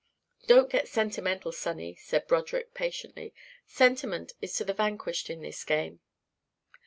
"Don't get sentimental, sonny," said Broderick patiently. "Sentiment is to the vanquished in this game.